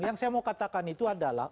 yang saya mau katakan itu adalah